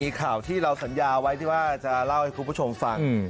มีข่าวที่เราสัญญาไว้ที่ว่าจะเล่าให้คุณผู้ชมฟัง